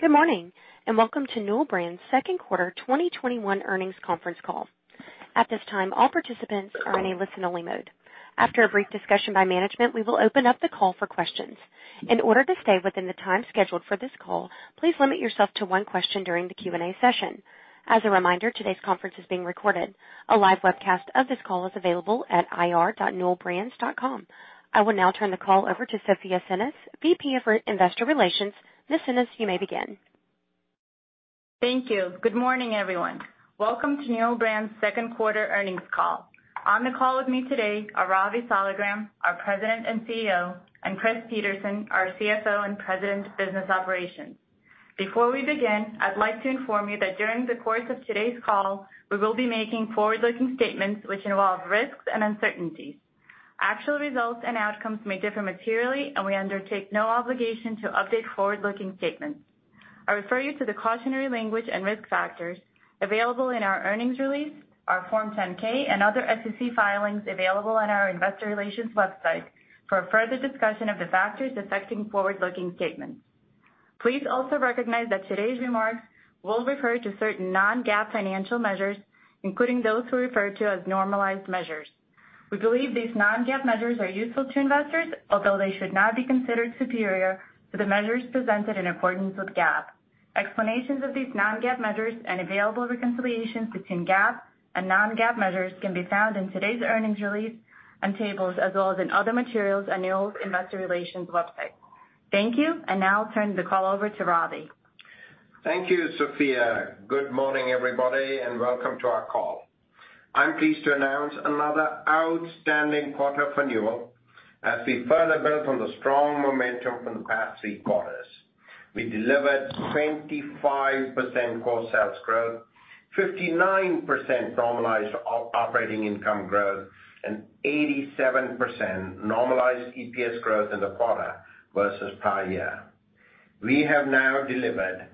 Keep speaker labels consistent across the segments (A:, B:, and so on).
A: Good morning, and welcome to Newell Brands' second quarter 2021 earnings conference call. At this time, all participants are in a listen-only mode. After a brief discussion by management, we will open up the call for questions. In order to stay within the time scheduled for this call, please limit yourself to one question during the Q&A session. As a reminder, today's conference is being recorded. A live webcast of this call is available at ir.newellbrands.com. I will now turn the call over to Sofya Tsinis, VP of Investor Relations. Ms. Tsinis, you may begin.
B: Thank you. Good morning, everyone. Welcome to Newell Brands' second-quarter earnings call. On the call with me today are Ravi Saligram, our President and CEO, and Chris Peterson, our CFO and President of Business Operations. Before we begin, I'd like to inform you that during the course of today's call, we will be making forward-looking statements which involve risks and uncertainties. Actual results and outcomes may differ materially, and we undertake no obligation to update forward-looking statements. I refer you to the cautionary language and risk factors available in our earnings release, our Form 10-K, and other SEC filings available on our investor relations website for a further discussion of the factors affecting forward-looking statements. Please also recognize that today's remarks will refer to certain non-GAAP financial measures, including those we refer to as normalized measures. We believe these non-GAAP measures are useful to investors, although they should not be considered superior to the measures presented in accordance with GAAP. Explanations of these non-GAAP measures and available reconciliations between GAAP and non-GAAP measures can be found in today's earnings release and tables, as well as in other materials on Newell's investor relations website. Thank you. Now I'll turn the call over to Ravi.
C: Thank you, Sofya. Good morning, everybody, and welcome to our call. I'm pleased to announce another outstanding quarter for Newell as we further build on the strong momentum from the past three quarters. We delivered 25% core sales growth, 59% normalized operating income growth, and 87% normalized EPS growth in the quarter versus prior year. We have now delivered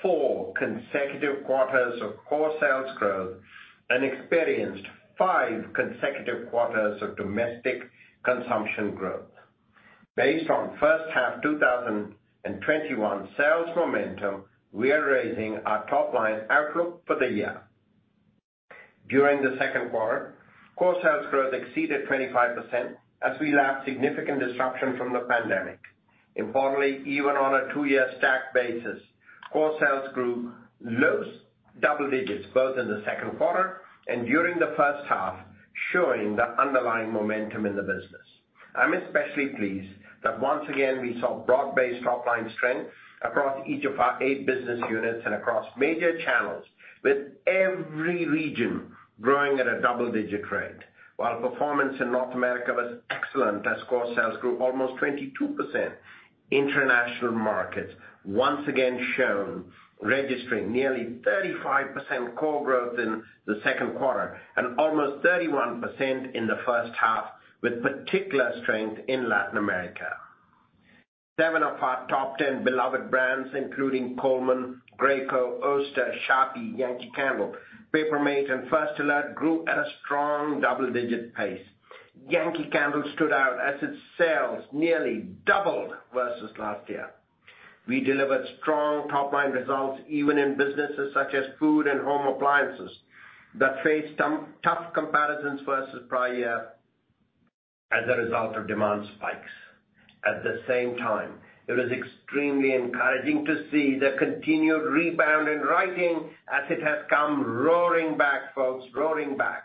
C: four consecutive quarters of core sales growth and experienced five consecutive quarters of domestic consumption growth. Based on first half 2021 sales momentum, we are raising our top-line outlook for the year. During the second quarter, core sales growth exceeded 25% as we lapped significant disruption from the pandemic. Importantly, even on a two-year stack basis, core sales grew low double digits both in the second quarter and during the first half, showing the underlying momentum in the business. I'm especially pleased that once again, we saw broad-based top-line strength across each of our eight business units and across major channels, with every region growing at a double-digit rate. While performance in North America was excellent as core sales grew almost 22%, international markets once again shone, registering nearly 35% core growth in the second quarter and almost 31% in the first half, with particular strength in Latin America. Seven of our top 10 beloved brands, including Coleman, Graco, Oster, Sharpie, Yankee Candle, Paper Mate, and First Alert, grew at a strong double-digit pace. Yankee Candle stood out as its sales nearly doubled versus last year. We delivered strong top-line results even in businesses such as Food and Home Appliances that faced some tough comparisons versus prior year as a result of demand spikes. At the same time, it was extremely encouraging to see the continued rebound in writing as it has come roaring back, folks, roaring back.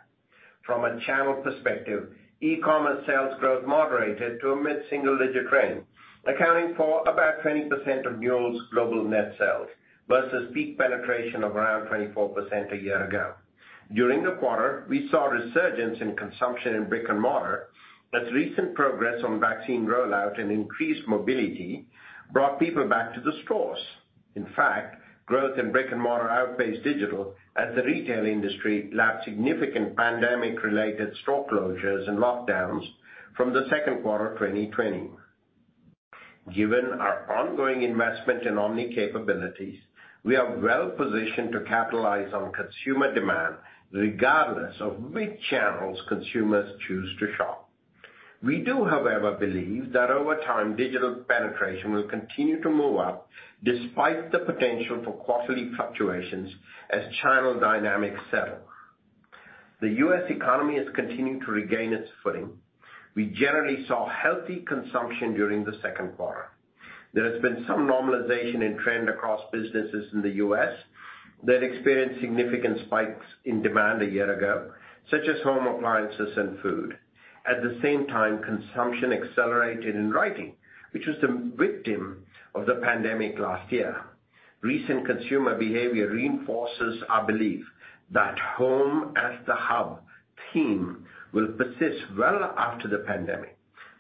C: From a channel perspective, e-commerce sales growth moderated to a mid-single-digit range, accounting for about 20% of Newell's global net sales versus peak penetration of around 24% a year ago. During the quarter, we saw a resurgence in consumption in brick and mortar as recent progress on vaccine rollout and increased mobility brought people back to the stores. In fact, growth in brick and mortar outpaced digital as the retail industry lapped significant pandemic-related store closures and lockdowns from the second quarter 2020. Given our ongoing investment in omni capabilities, we are well-positioned to capitalize on consumer demand regardless of which channels consumers choose to shop. We do, however, believe that over time, digital penetration will continue to move up despite the potential for quarterly fluctuations as channel dynamics settle. The U.S. economy has continued to regain its footing. We generally saw healthy consumption during the second quarter. There has been some normalization in trend across businesses in the U.S. that experienced significant spikes in demand a year ago, such as Home Appliances and Food. At the same time, consumption accelerated in Writing, which was the victim of the pandemic last year. Recent consumer behavior reinforces our belief that home-as-the-hub theme will persist well after the pandemic.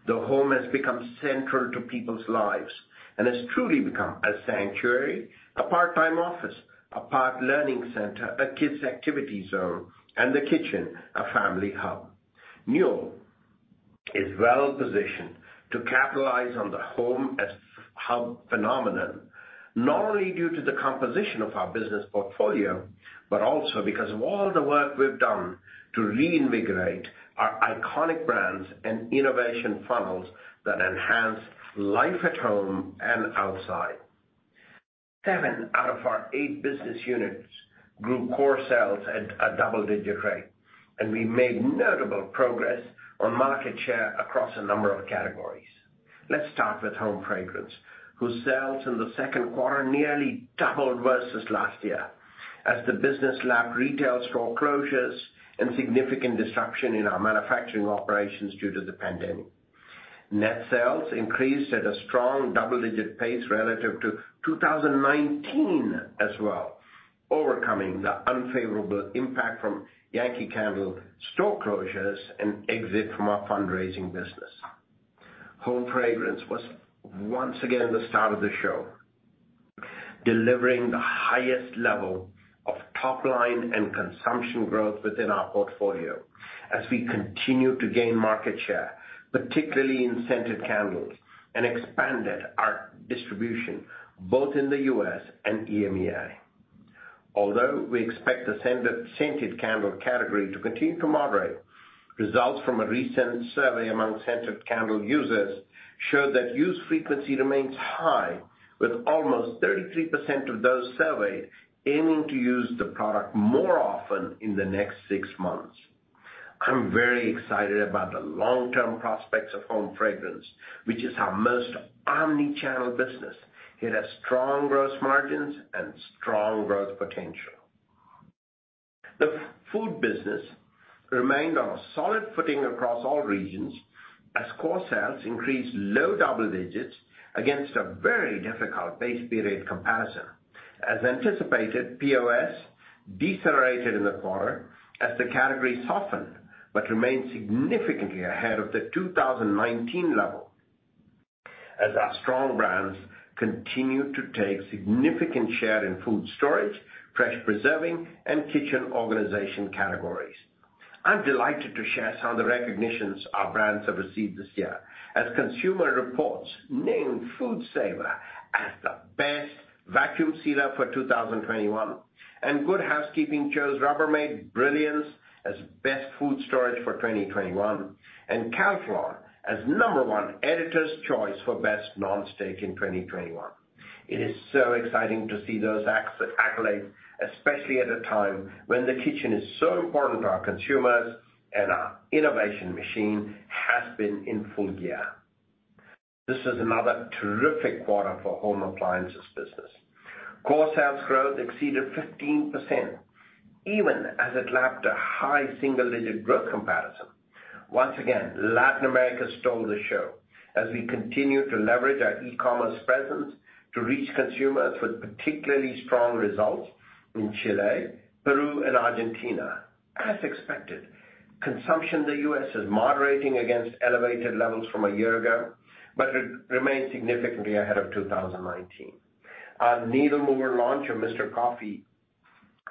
C: The home has become central to people's lives and has truly become a sanctuary, a part-time office, a part learning center, a kids activity zone, and the kitchen, a family hub. Newell is well-positioned to capitalize on home-as-hub phenomenon, not only due to the composition of our business portfolio, but also because of all the work we've done to reinvigorate our iconic brands and innovation funnels that enhance life at home and outside. Seven out of our eight business units grew core sales at a double-digit rate, and we made notable progress on market share across a number of categories. Let's start with home fragrance, whose sales in the second quarter nearly doubled versus last year, as the business lapped retail store closures and significant disruption in our manufacturing operations due to the pandemic. Net sales increased at a strong double-digit pace relative to 2019 as well, overcoming the unfavorable impact from Yankee Candle store closures and exit from our fundraising business. Home fragrance was once again the star of the show, delivering the highest level of top-line and consumption growth within our portfolio as we continue to gain market share, particularly in scented candles, and expanded our distribution both in the U.S. and EMEA. Although we expect the scented candle category to continue to moderate, results from a recent survey among scented candle users showed that use frequency remains high with almost 33% of those surveyed aiming to use the product more often in the next six months. I'm very excited about the long-term prospects of home fragrance, which is our most omni-channel business. It has strong gross margins and strong growth potential. The Food business remained on a solid footing across all regions as core sales increased low double digits against a very difficult base period comparison. POS decelerated in the quarter as the category softened but remained significantly ahead of the 2019 level as our strong brands continued to take significant share in food storage, fresh preserving, and kitchen organization categories. I'm delighted to share some of the recognitions our brands have received this year. Consumer Reports named FoodSaver as the best vacuum sealer for 2021, Good Housekeeping chose Rubbermaid Brilliance as best food storage for 2021, and Calphalon as number one editor's choice for best non-stick in 2021. It is so exciting to see those accolades, especially at a time when the kitchen is so important to our consumers, and our innovation machine has been in full gear. This is another terrific quarter for Home Appliances business. Core sales growth exceeded 15%, even as it lapped a high single-digit growth comparison. Once again, Latin America stole the show as we continue to leverage our e-commerce presence to reach consumers with particularly strong results in Chile, Peru, and Argentina. As expected, consumption in the U.S. is moderating against elevated levels from a year ago, but it remains significantly ahead of 2019. Our needle mover launch of Mr. Coffee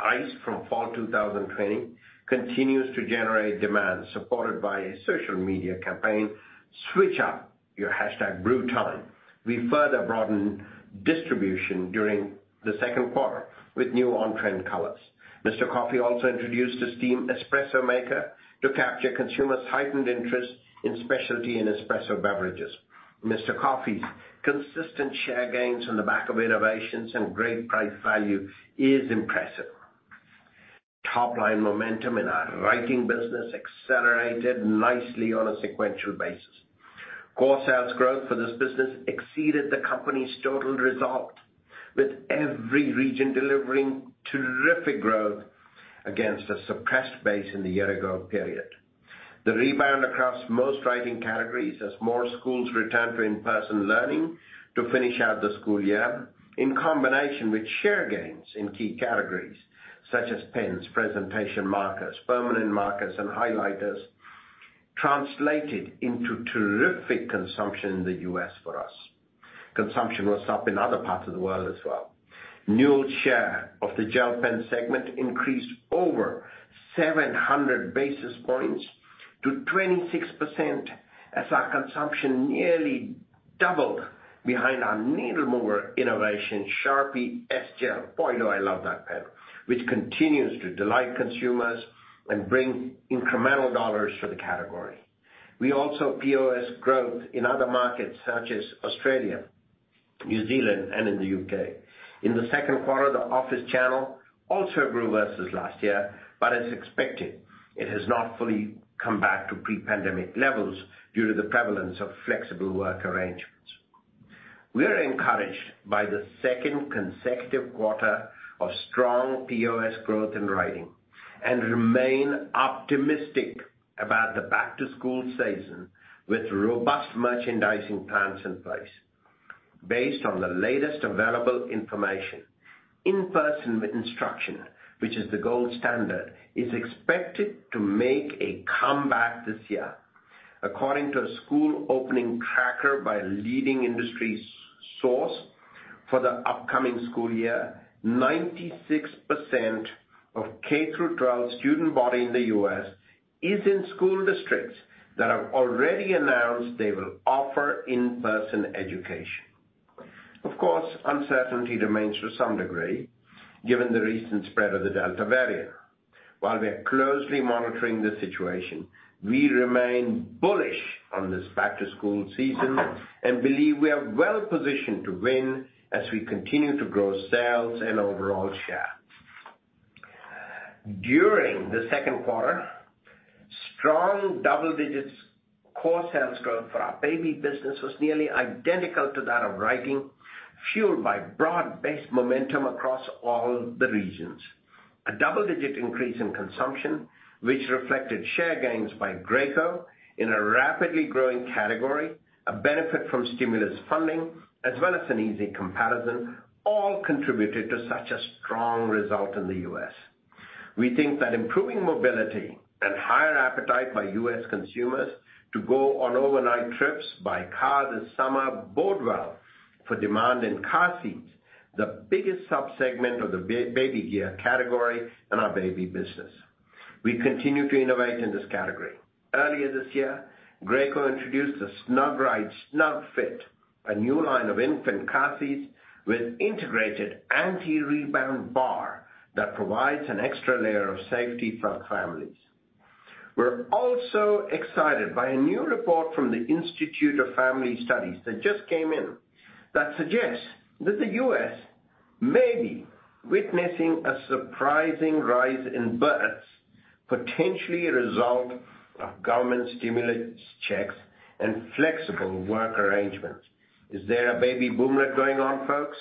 C: Iced from fall 2020 continues to generate demand, supported by a social media campaign, switch up your #brewtime. We further broadened distribution during the second quarter with new on-trend colors. Mr. Coffee also introduced a steam espresso maker to capture consumers' heightened interest in specialty and espresso beverages. Mr. Coffee's consistent share gains on the back of innovations and great price value is impressive. Top-line momentum in our Writing business accelerated nicely on a sequential basis. Core sales growth for this business exceeded the company's total result, with every region delivering terrific growth against a suppressed base in the year-ago period. The rebound across most writing categories, as more schools return to in-person learning to finish out the school year, in combination with share gains in key categories such as pens, presentation markers, permanent markers, and highlighters, translated into terrific consumption in the U.S. for us. Consumption was up in other parts of the world as well. Newell's share of the Gel pen segment increased over 700 basis points to 26% as our consumption nearly doubled behind our needle mover innovation, Sharpie S-Gel. Boy, do I love that pen, which continues to delight consumers and bring incremental dollars to the category. We also POS growth in other markets such as Australia, New Zealand, and in the U.K. In the second quarter, the office channel also grew versus last year. As expected, it has not fully come back to pre-pandemic levels due to the prevalence of flexible work arrangements. We are encouraged by the second consecutive quarter of strong POS growth in Writing and remain optimistic about the back-to-school season with robust merchandising plans in place. Based on the latest available information, in-person instruction, which is the gold standard, is expected to make a comeback this year. According to a school opening tracker by a leading industry source for the upcoming school year, 96% of K-12 student body in the U.S. is in school districts that have already announced they will offer in-person education. Of course, uncertainty remains to some degree given the recent spread of the Delta variant. While we are closely monitoring the situation, we remain bullish on this back-to-school season and believe we are well-positioned to win as we continue to grow sales and overall share. During the second quarter, strong double-digit core sales growth for our Baby business was nearly identical to that of Writing, fueled by broad-based momentum across all the regions. A double-digit increase in consumption, which reflected share gains by Graco in a rapidly growing category, a benefit from stimulus funding, as well as an easy comparison, all contributed to such a strong result in the U.S. We think that improving mobility and higher appetite by U.S. consumers to go on overnight trips by car this summer bode well for demand in car seats, the biggest sub-segment of the baby gear category in our Baby business. We continue to innovate in this category. Earlier this year, Graco introduced the SnugRide SnugFit, a new line of infant car seats with integrated anti-rebound bar that provides an extra layer of safety for our families. We are also excited by a new report from the Institute for Family Studies that just came in, that suggests that the U.S. may be witnessing a surprising rise in births, potentially a result of government stimulus checks and flexible work arrangements. Is there a baby boomer going on, folks?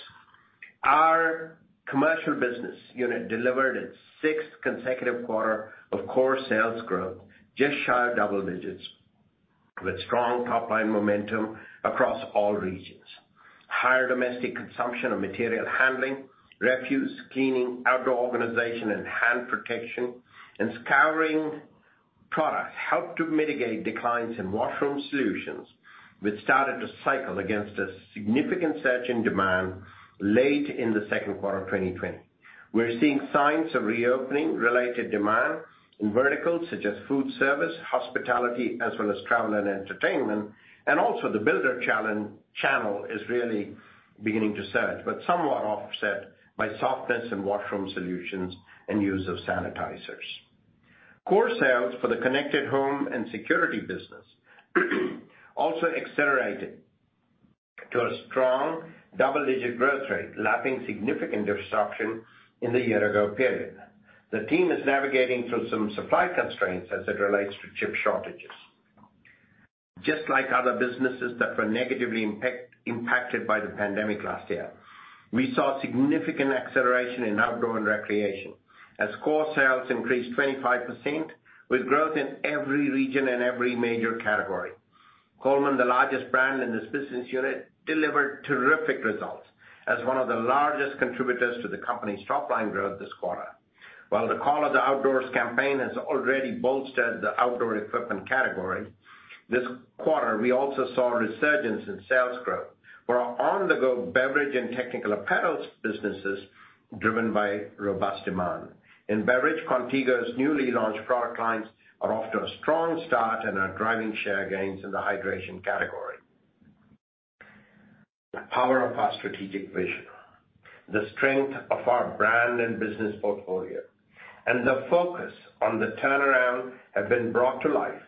C: Our Commercial business unit delivered its sixth consecutive quarter of core sales growth, just shy of double digits, with strong top-line momentum across all regions. Higher domestic consumption of material handling, refuse, cleaning, outdoor organization, and hand protection and scouring products helped to mitigate declines in washroom solutions, which started to cycle against a significant surge in demand late in the second quarter of 2020. We're seeing signs of reopening related demand in verticals such as food service, hospitality, as well as travel and entertainment. Also, the builder channel is really beginning to surge, but somewhat offset by softness in washroom solutions and use of sanitizers. Core sales for the Connected Home & Security business also accelerated to a strong double-digit growth rate, lapping significant disruption in the year-ago period. The team is navigating through some supply constraints as it relates to chip shortages. Just like other businesses that were negatively impacted by the pandemic last year, we saw significant acceleration in Outdoor & Recreation, as core sales increased 25%, with growth in every region and every major category. Coleman, the largest brand in this business unit, delivered terrific results as one of the largest contributors to the company's top-line growth this quarter. While the Call of the Outdoors Campaign has already bolstered the outdoor equipment category, this quarter, we also saw a resurgence in sales growth for our on-the-go beverage and technical apparel businesses, driven by robust demand. In beverage, Contigo's newly launched product lines are off to a strong start and are driving share gains in the hydration category. The power of our strategic vision, the strength of our brand and business portfolio, and the focus on the turnaround have been brought to life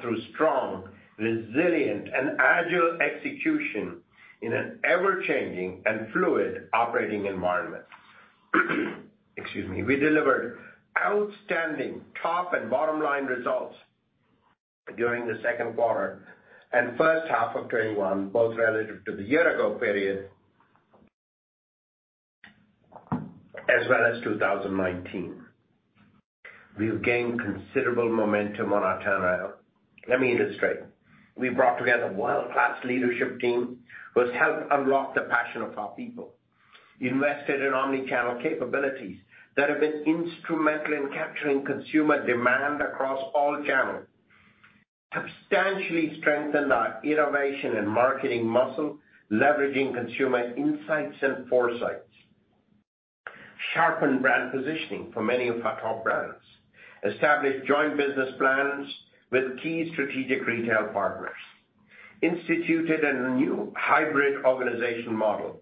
C: through strong, resilient, and agile execution in an ever-changing and fluid operating environment. Excuse me. We delivered outstanding top and bottom-line results during the second quarter and first half of 2021, both relative to the year-ago period, as well as 2019. We have gained considerable momentum on our turnaround. Let me illustrate. We brought together a world-class leadership team who has helped unlock the passion of our people; invested in omnichannel capabilities that have been instrumental in capturing consumer demand across all channels; substantially strengthened our innovation and marketing muscle, leveraging consumer insights and foresights; sharpened brand positioning for many of our top brands; established joint business plans with key strategic retail partners; instituted a new hybrid organization model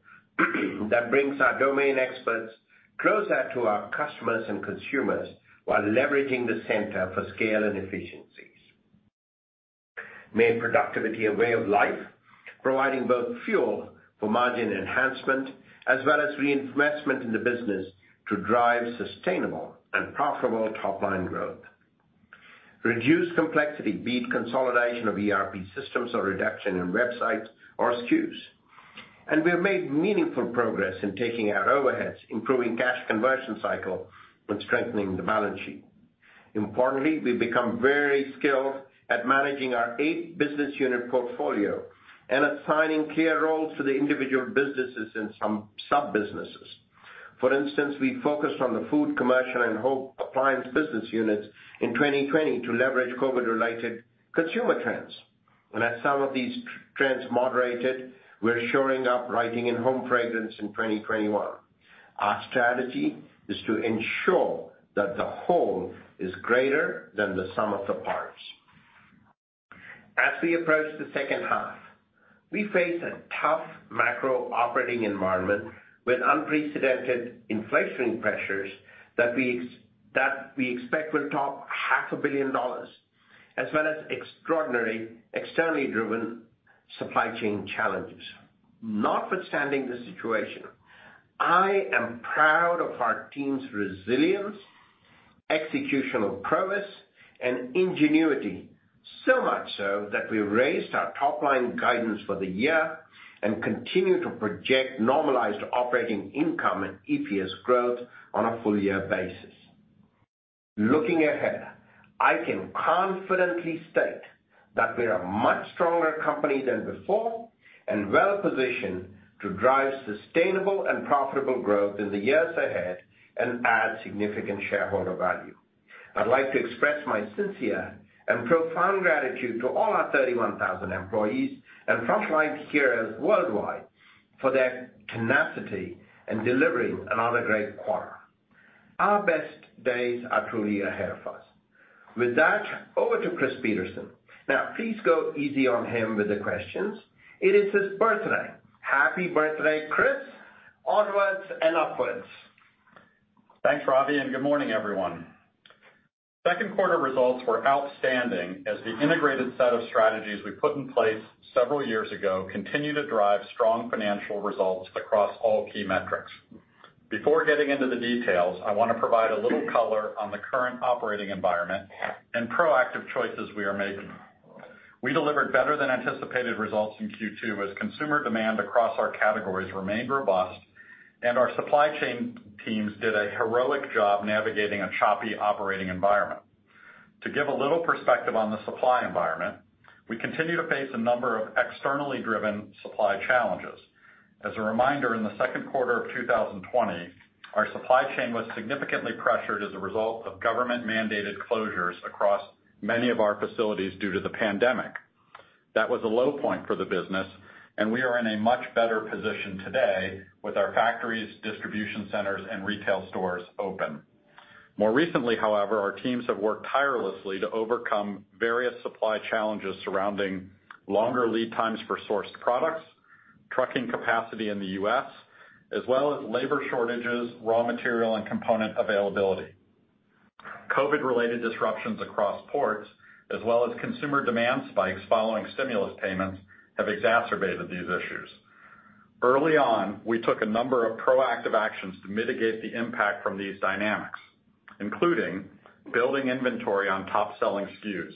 C: that brings our domain experts closer to our customers and consumers while leveraging the center for scale and efficiencies; made productivity a way of life, providing both fuel for margin enhancement as well as reinvestment in the business to drive sustainable and profitable top-line growth; reduced complexity, be it consolidation of ERP systems or reduction in websites or SKUs. We have made meaningful progress in taking out overheads, improving cash conversion cycle, and strengthening the balance sheet. Importantly, we've become very skilled at managing our eight-business unit portfolio and assigning clear roles to the individual businesses and some sub-businesses. For instance, we focused on the Food, Commercial, and Home Appliance business units in 2020 to leverage COVID-related consumer trends. As some of these trends moderated, we're shoring up Writing and Home Fragrance in 2021. Our strategy is to ensure that the home is greater than the sum of the parts. As we approach the second half, we face a tough macro operating environment with unprecedented inflation pressures that we expect will top half a billion dollars, as well as extraordinary externally driven supply chain challenges. Notwithstanding the situation, I am proud of our team's resilience, executional prowess, and ingenuity, so much so that we raised our top-line guidance for the year and continue to project normalized operating income and EPS growth on a full-year basis. Looking ahead, I can confidently state that we're a much stronger company than before and well-positioned to drive sustainable and profitable growth in the years ahead and add significant shareholder value. I'd like to express my sincere and profound gratitude to all our 31,000 employees and frontline heroes worldwide for their tenacity in delivering another great quarter. Our best days are truly ahead of us. With that, over to Chris Peterson. Now, please go easy on him with the questions. It is his birthday. Happy birthday, Chris. Onwards and upwards.
D: Thanks, Ravi, and good morning, everyone. Second quarter results were outstanding as the integrated set of strategies we put in place several years ago continue to drive strong financial results across all key metrics. Before getting into the details, I want to provide a little color on the current operating environment and proactive choices we are making. We delivered better than anticipated results in Q2 as consumer demand across our categories remained robust and our supply chain teams did a heroic job navigating a choppy operating environment. To give a little perspective on the supply environment, we continue to face a number of externally driven supply challenges. As a reminder, in the second quarter of 2020, our supply chain was significantly pressured as a result of government-mandated closures across many of our facilities due to the pandemic. That was a low point for the business, and we are in a much better position today with our factories, distribution centers, and retail stores open. More recently, however, our teams have worked tirelessly to overcome various supply challenges surrounding longer lead times for sourced products, trucking capacity in the U.S., as well as labor shortages, raw material, and component availability. COVID-related disruptions across ports, as well as consumer demand spikes following stimulus payments, have exacerbated these issues. Early on, we took a number of proactive actions to mitigate the impact from these dynamics, including building inventory on top-selling SKUs,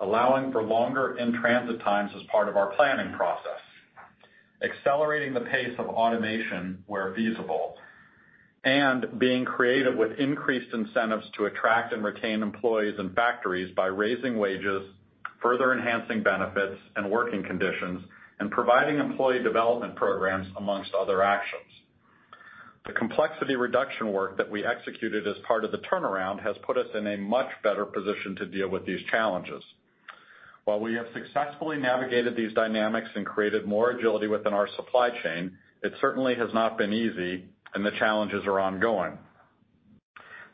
D: allowing for longer in-transit times as part of our planning process, accelerating the pace of automation where feasible, and being creative with increased incentives to attract and retain employees in factories by raising wages, further enhancing benefits and working conditions, and providing employee development programs, amongst other actions. The complexity reduction work that we executed as part of the turnaround has put us in a much better position to deal with these challenges. While we have successfully navigated these dynamics and created more agility within our supply chain, it certainly has not been easy, and the challenges are ongoing.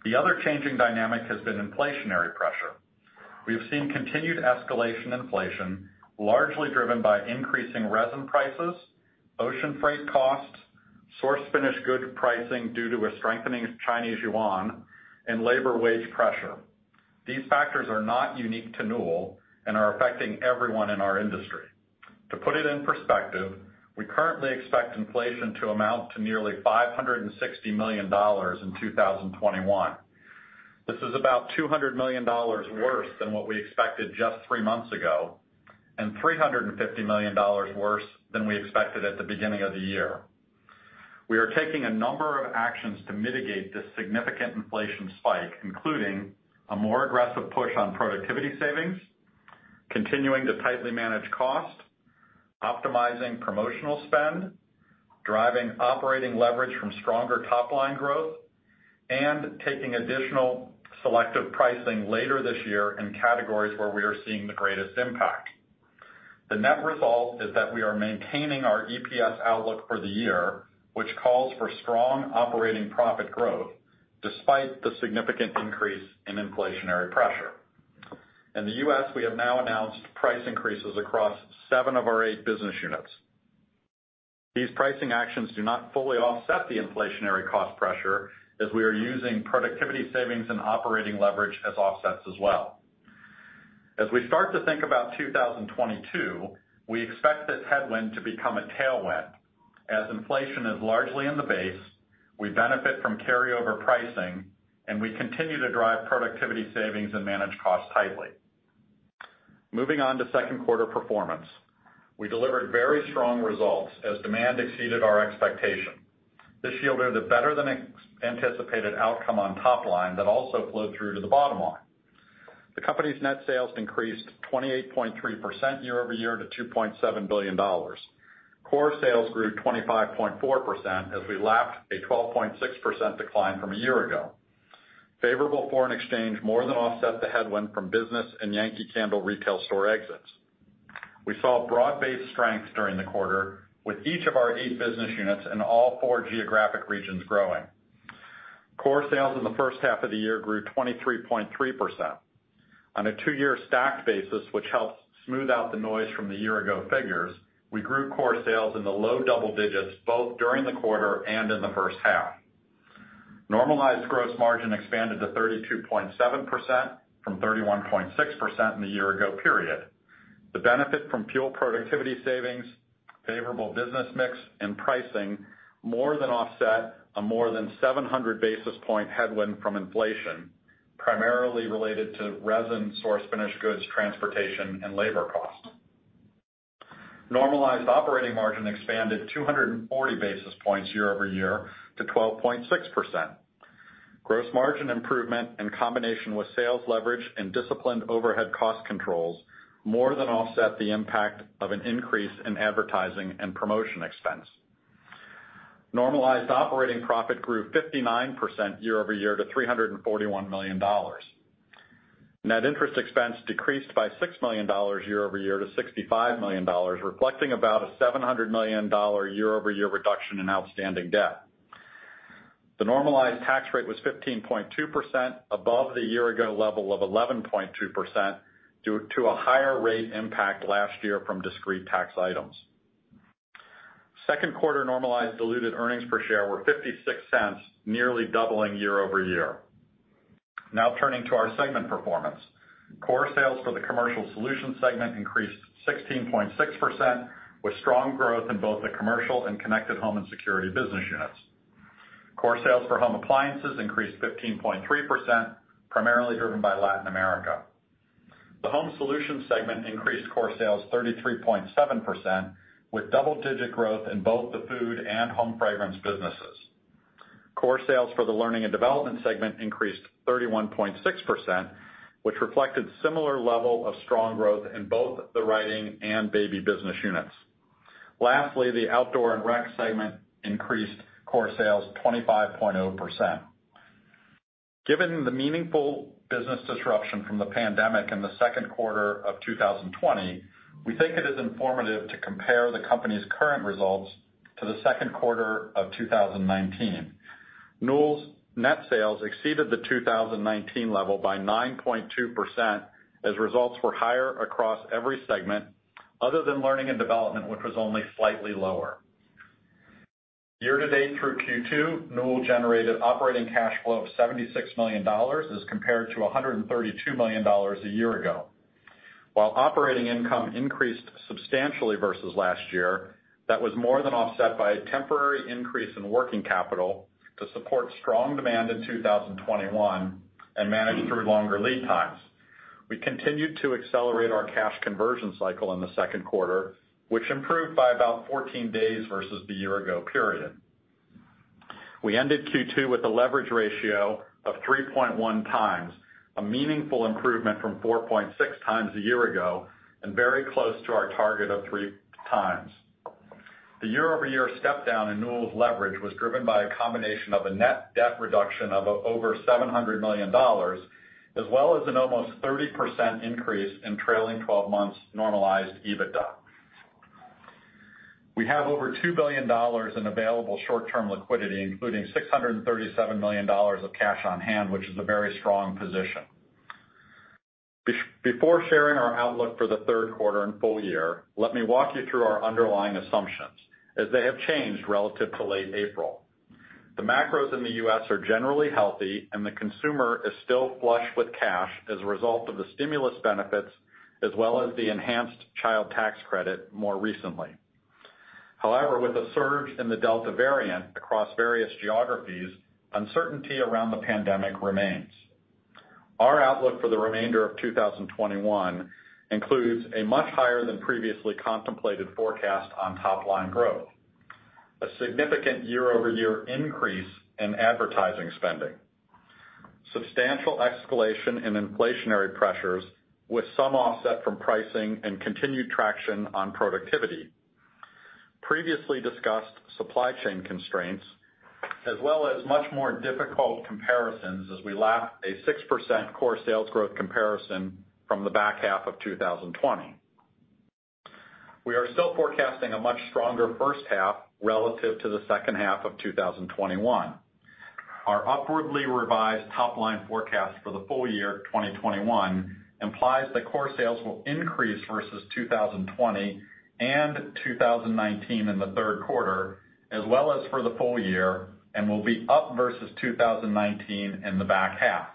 D: The other changing dynamic has been inflationary pressure. We have seen continued escalation inflation, largely driven by increasing resin prices, ocean freight costs, source finished good pricing due to a strengthening Chinese yuan, and labor wage pressure. These factors are not unique to Newell and are affecting everyone in our industry. To put it in perspective, we currently expect inflation to amount to nearly $560 million in 2021. This is about $200 million worse than what we expected just three months ago and $350 million worse than we expected at the beginning of the year. We are taking a number of actions to mitigate this significant inflation spike, including a more aggressive push on productivity savings, continuing to tightly manage cost, optimizing promotional spend, driving operating leverage from stronger top-line growth, and taking additional selective pricing later this year in categories where we are seeing the greatest impact. The net result is that we are maintaining our EPS outlook for the year, which calls for strong operating profit growth despite the significant increase in inflationary pressure. In the U.S., we have now announced price increases across seven of our eight business units. These pricing actions do not fully offset the inflationary cost pressure, as we are using productivity savings and operating leverage as offsets as well. As we start to think about 2022, we expect this headwind to become a tailwind. Inflation is largely in the base, we benefit from carryover pricing, and we continue to drive productivity savings and manage costs tightly. Moving on to second-quarter performance. We delivered very strong results as demand exceeded our expectation. This yielded a better-than-anticipated outcome on top line that also flowed through to the bottom line. The company's net sales increased 28.3% year-over-year to $2.7 billion. Core sales grew 25.4% as we lapped a 12.6% decline from a year ago. Favorable foreign exchange more than offset the headwind from business and Yankee Candle retail store exits. We saw broad-based strengths during the quarter with each of our eight business units in all four geographic regions growing. Core sales in the first half of the year grew 23.3%. On a two-year stacked basis, which helps smooth out the noise from the year-ago figures, we grew core sales in the low double digits both during the quarter and in the first half. Normalized gross margin expanded to 32.7% from 31.6% in the year-ago period. The benefit from fuel productivity savings, favorable business mix, and pricing more than offset a more than 700-basis point headwind from inflation, primarily related to resin sourced finished goods, transportation, and labor costs. Normalized operating margin expanded 240 basis points year-over-year to 12.6%. Gross margin improvement in combination with sales leverage and disciplined overhead cost controls more than offset the impact of an increase in advertising and promotion expense. Normalized operating profit grew 59% year-over-year to $341 million. Net interest expense decreased by $6 million year-over-year to $65 million, reflecting about a $700 million year-over-year reduction in outstanding debt. The normalized tax rate was 15.2%, above the year-ago level of 11.2% due to a higher rate impact last year from discrete tax items. Second quarter normalized diluted earnings per share were $0.56, nearly doubling year-over-year. Turning to our segment performance. Core sales for the Commercial Solutions segment increased 16.6%, with strong growth in both the Commercial and Connected Home & Security business units. Core sales for Home Appliances increased 15.3%, primarily driven by Latin America. The Home Solutions segment increased core sales 33.7%, with double-digit growth in both the Food and Home Fragrance businesses. Core sales for the Learning and Development segment increased 31.6%, which reflected similar level of strong growth in both the Writing and Baby business units. The Outdoor & Rec segment increased core sales 25.0%. Given the meaningful business disruption from the pandemic in the second quarter of 2020, we think it is informative to compare the company's current results to the second quarter of 2019. Newell's net sales exceeded the 2019 level by 9.2% as results were higher across every segment other than Learning and Development, which was only slightly lower. Year to date through Q2, Newell generated operating cash flow of $76 million as compared to $132 million a year ago. While operating income increased substantially versus last year, that was more than offset by a temporary increase in working capital to support strong demand in 2021 and manage through longer lead times. We continued to accelerate our cash conversion cycle in the second quarter, which improved by about 14 days versus the year-ago period. We ended Q2 with a leverage ratio of 3.1x, a meaningful improvement from 4.6x a year ago and very close to our target of 3x. The year-over-year step down in Newell's leverage was driven by a combination of a net debt reduction of over $700 million, as well as an almost 30% increase in trailing 12 months normalized EBITDA. We have over $2 billion in available short-term liquidity, including $637 million of cash on hand, which is a very strong position. Before sharing our outlook for the third quarter and full year, let me walk you through our underlying assumptions, as they have changed relative to late April. The macros in the U.S. are generally healthy, and the consumer is still flush with cash as a result of the stimulus benefits as well as the enhanced child tax credit more recently. However, with a surge in the Delta variant across various geographies, uncertainty around the pandemic remains. Our outlook for the remainder of 2021 includes a much higher than previously contemplated forecast on top-line growth, a significant year-over-year increase in advertising spending, substantial escalation in inflationary pressures with some offset from pricing and continued traction on productivity, previously discussed supply chain constraints, as well as much more difficult comparisons as we lap a 6% core sales growth comparison from the back half of 2020. We are still forecasting a much stronger first half relative to the second half of 2021. Our upwardly revised top-line forecast for the full year 2021 implies that core sales will increase versus 2020 and 2019 in the third quarter as well as for the full year and will be up versus 2019 in the back half.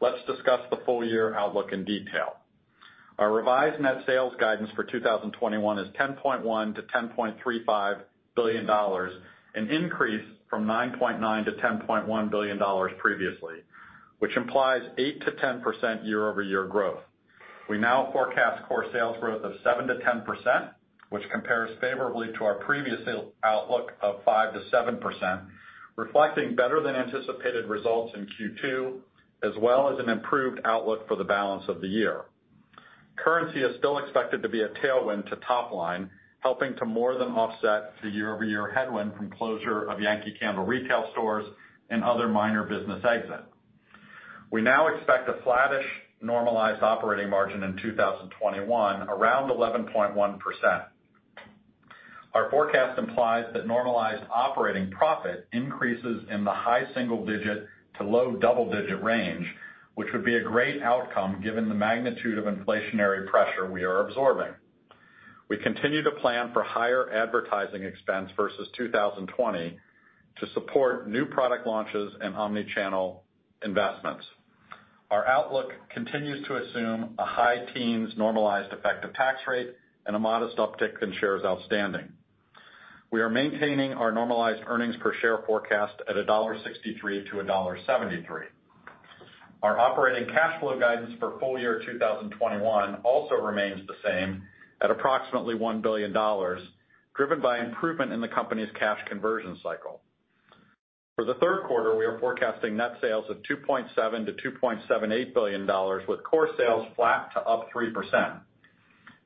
D: Let's discuss the full-year outlook in detail. Our revised net sales guidance for 2021 is $10.1 billion-$10.35 billion, an increase from $9.9 billion-$10.1 billion previously, which implies 8%-10% year-over-year growth. We now forecast core sales growth of 7%-10%, which compares favorably to our previous sales outlook of 5%-7%, reflecting better-than-anticipated results in Q2, as well as an improved outlook for the balance of the year. Currency is still expected to be a tailwind to top line, helping to more than offset the year-over-year headwind from closure of Yankee Candle retail stores and other minor business exits. We now expect a flattish normalized operating margin in 2021, around 11.1%. Our forecast implies that normalized operating profit increases in the high single-digit to low double-digit range, which would be a great outcome given the magnitude of inflationary pressure we are absorbing. We continue to plan for higher advertising expense versus 2020 to support new product launches and omni-channel investments. Our outlook continues to assume a high teens normalized effective tax rate and a modest uptick in shares outstanding. We are maintaining our normalized earnings per share forecast at $1.63-$1.73. Our operating cash flow guidance for full-year 2021 also remains the same at approximately $1 billion, driven by improvement in the company's cash conversion cycle. For the third quarter, we are forecasting net sales of $2.7 billion-$2.78 billion with core sales flat to up 3%.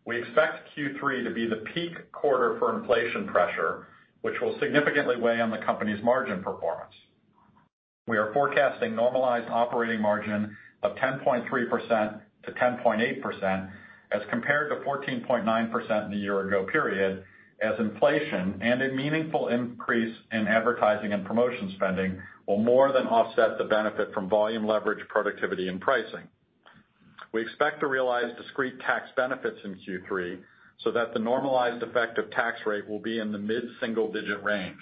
D: We expect Q3 to be the peak quarter for inflation pressure, which will significantly weigh on the company's margin performance. We are forecasting normalized operating margin of 10.3%-10.8% as compared to 14.9% in the year ago period, as inflation and a meaningful increase in advertising and promotion spending will more than offset the benefit from volume leverage, productivity, and pricing. We expect to realize discrete tax benefits in Q3 so that the normalized effective tax rate will be in the mid-single digit range.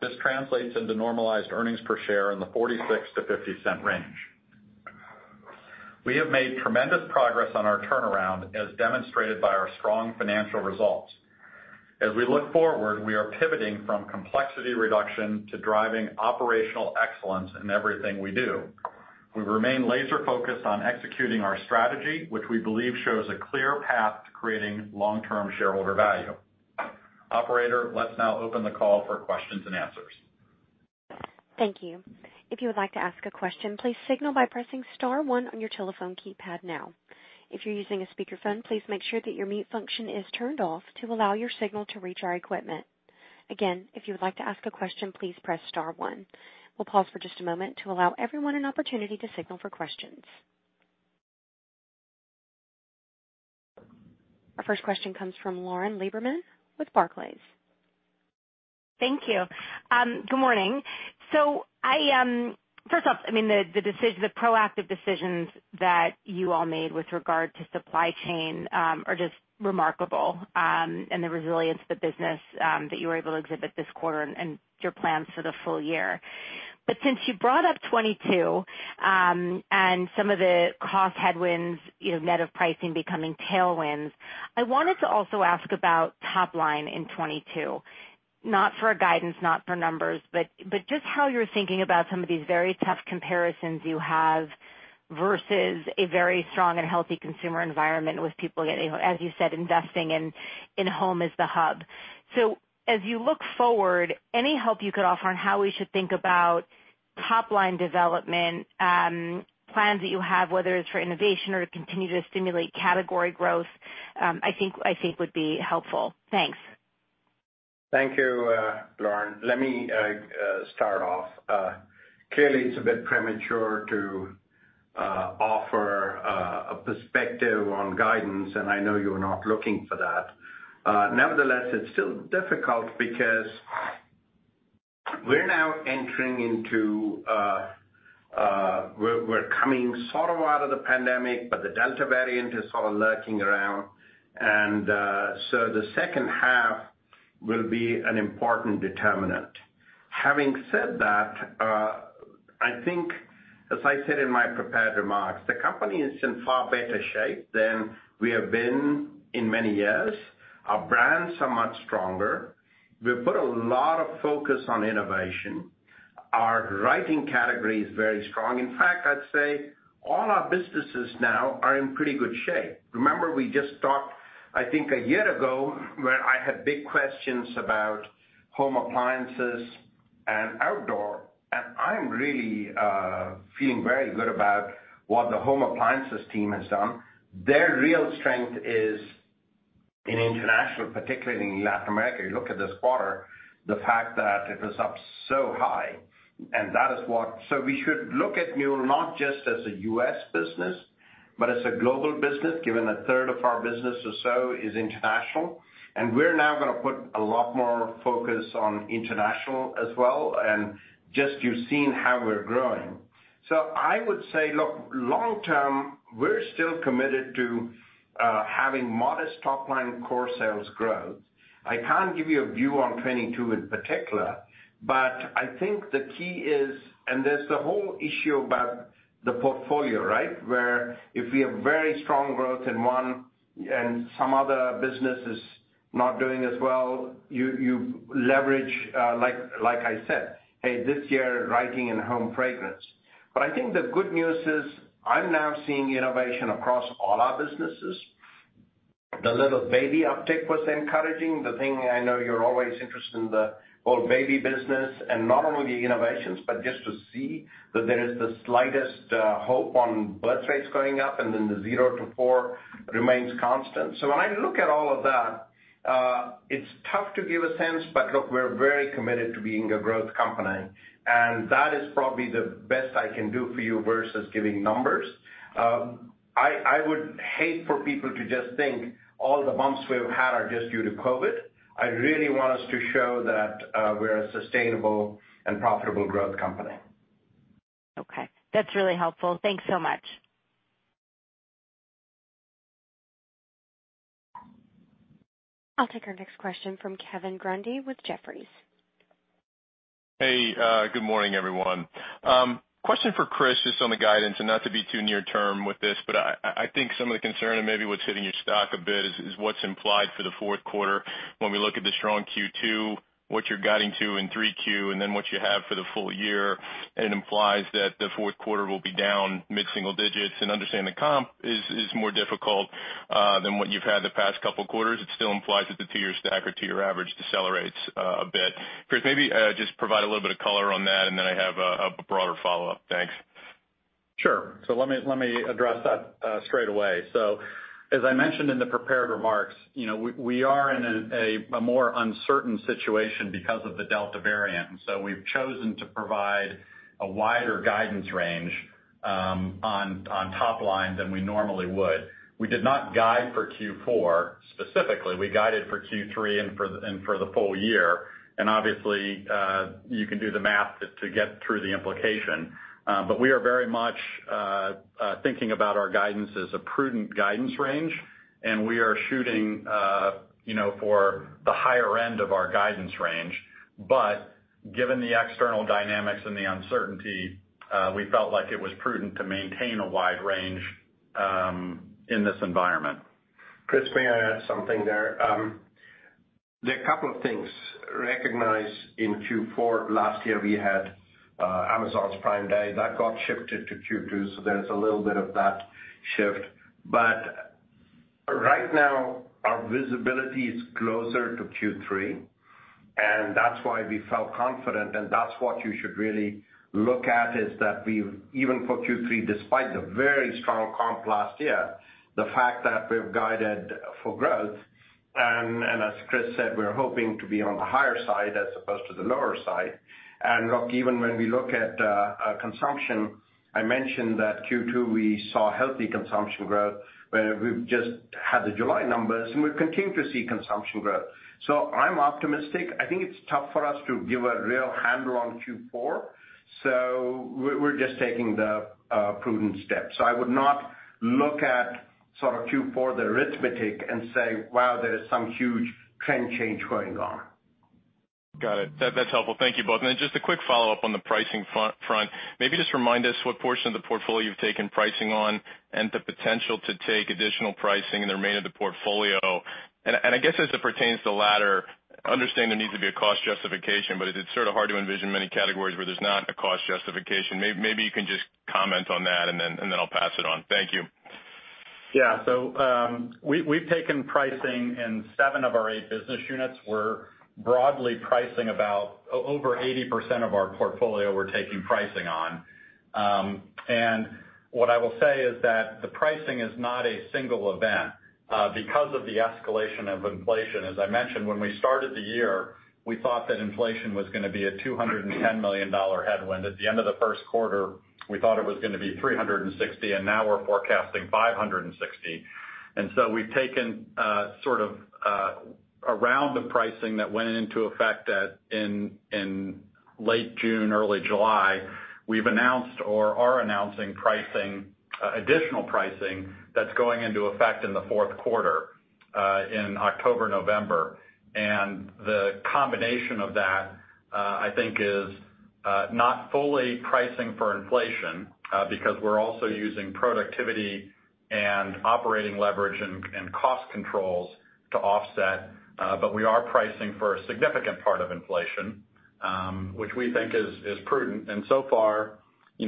D: This translates into normalized earnings per share in the $0.46-$0.50 range. We have made tremendous progress on our turnaround as demonstrated by our strong financial results. As we look forward, we are pivoting from complexity reduction to driving operational excellence in everything we do. We remain laser-focused on executing our strategy, which we believe shows a clear path to creating long-term shareholder value. Operator, let's now open the call for questions and answers.
A: Thank you. If you would like to ask a question, please signal by pressing star one on your telephone keypad now. If you're using a speakerphone, please make sure that your mute function is turned off to allow your signal to reach our equipment. Again, if you would like to ask a question, please press star one. We'll pause for just a moment to allow everyone an opportunity to signal for questions. Our first question comes from Lauren Lieberman with Barclays.
E: Thank you. Good morning. First off, the proactive decisions that you all made with regard to supply chain are just remarkable, and the resilience of the business that you were able to exhibit this quarter, and your plans for the full year. Since you brought up 2022, and some of the cost headwinds, net of pricing becoming tailwinds, I wanted to also ask about top-line in 2022, not for guidance, not for numbers, but just how you're thinking about some of these very tough comparisons you have versus a very strong and healthy consumer environment with people getting, as you said, investing in home-as-the-hub. As you look forward, any help you could offer on how we should think about top-line development, plans that you have, whether it's for innovation or to continue to stimulate category growth, I think would be helpful. Thanks.
C: Thank you, Lauren. Let me start off. It's a bit premature to offer a perspective on guidance, and I know you're not looking for that. It's still difficult because we're coming sort of out of the pandemic, but the Delta variant is sort of lurking around. The second half will be an important determinant. Having said that, I think as I said in my prepared remarks, the company is in far better shape than we have been in many years. Our brands are much stronger. We've put a lot of focus on innovation. Our Writing category is very strong. In fact, I'd say all our businesses now are in pretty good shape. Remember, we just talked, I think a year ago, where I had big questions about Home Appliances and Outdoor, and I'm really feeling very good about what the Home Appliances team has done. Their real strength is in international, particularly in Latin America. You look at this quarter, the fact that it was up so high. We should look at Newell not just as a U.S. business, but as a global business, given a third of our business or so is international, and we're now going to put a lot more focus on international as well, and just you've seen how we're growing. I would say, look, long-term, we're still committed to having modest top-line core sales growth. I can't give you a view on 2022 in particular, but I think the key is, and there's the whole issue about the portfolio, right? If we have very strong growth in one and some other business is not doing as well, you leverage, like I said, hey, this year, Writing and Home Fragrance. I think the good news is I'm now seeing innovation across all our businesses. The little baby uptick was encouraging. The thing I know you're always interested in the whole Baby business, and not only the innovations, but just to see that there is the slightest hope on birthrates going up and then the 0-4 remains constant. When I look at all of that, it's tough to give a sense, but look, we're very committed to being a growth company, and that is probably the best I can do for you versus giving numbers. I would hate for people to just think all the bumps we've had are just due to COVID. I really want us to show that we're a sustainable and profitable growth company.
E: Okay, that's really helpful. Thanks so much.
A: I'll take our next question from Kevin Grundy with Jefferies.
F: Hey, good morning, everyone. Question for Chris, just on the guidance, and not to be too near term with this, but I think some of the concern, and maybe what's hitting your stock a bit is what's implied for the fourth quarter. When we look at the strong Q2, what you're guiding to in 3Q, and then what you have for the full year, and it implies that the fourth quarter will be down mid-single digits. Understand the comp is more difficult than what you've had the past couple of quarters. It still implies that the two-year stack or two-year average decelerates a bit. Chris, maybe just provide a little bit of color on that, and then I have a broader follow-up. Thanks.
D: Sure. Let me address that straight away. As I mentioned in the prepared remarks, we are in a more uncertain situation because of the Delta variant. We've chosen to provide a wider guidance range on top line than we normally would. We did not guide for Q4 specifically. We guided for Q3 and for the full year, and obviously, you can do the math to get through the implication. We are very much thinking about our guidance as a prudent guidance range, and we are shooting for the higher end of our guidance range. Given the external dynamics and the uncertainty, we felt like it was prudent to maintain a wide range in this environment.
C: Chris, may I add something there? There are a couple of things. Recognize in Q4 of last year, we had Amazon's Prime Day. That got shifted to Q2, there's a little bit of that shift. Right now, our visibility is closer to Q3, that's why we felt confident, that's what you should really look at, is that even for Q3, despite the very strong comp last year, the fact that we've guided for growth. As Chris said, we're hoping to be on the higher side as opposed to the lower side. Look, even when we look at consumption, I mentioned that Q2, we saw healthy consumption growth where we've just had the July numbers, we continue to see consumption growth. I'm optimistic. I think it's tough for us to give a real handle on Q4, we're just taking the prudent steps. I would not look at sort of Q4, the arithmetic, and say, "Wow, there is some huge trend change going on.
F: Got it. That's helpful. Thank you both. Then just a quick follow-up on the pricing front. Maybe just remind us what portion of the portfolio you've taken pricing on and the potential to take additional pricing in the remainder of the portfolio. I guess as it pertains to the latter, I understand there needs to be a cost justification, but it's sort of hard to envision many categories where there's not a cost justification. Maybe you can just comment on that, then I'll pass it on. Thank you.
D: Yeah. We've taken pricing in seven of our eight business units. We're broadly pricing about over 80% of our portfolio, we're taking pricing on. What I will say is that the pricing is not a single event. Because of the escalation of inflation, as I mentioned, when we started the year, we thought that inflation was going to be a $210 million headwind. At the end of the first quarter, we thought it was going to be $360 million, now we're forecasting $560 million. We've taken sort of around the pricing that went into effect in late June, early July. We've announced or are announcing additional pricing that's going into effect in the fourth quarter, in October, November. The combination of that, I think, is not fully pricing for inflation, because we're also using productivity and operating leverage and cost controls to offset, but we are pricing for a significant part of inflation, which we think is prudent. So far,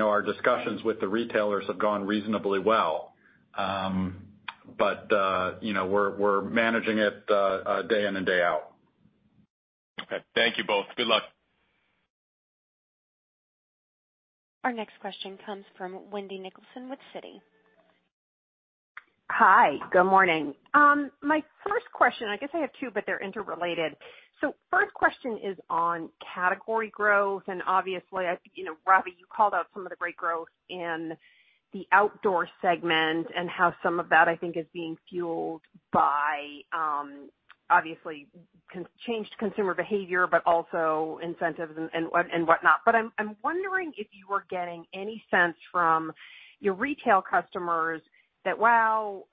D: our discussions with the retailers have gone reasonably well. We're managing it day in and day out.
F: Okay. Thank you both. Good luck.
A: Our next question comes from Wendy Nicholson with Citi.
G: Hi. Good morning. My first question, I guess I have two, but they're interrelated. First question is on category growth, and obviously, Ravi, you called out some of the great growth in the Outdoor segment and how some of that, I think, is being fueled by obviously changed consumer behavior, but also incentives and whatnot. I'm wondering if you are getting any sense from your retail customers that, wow,